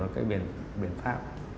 cái biện pháp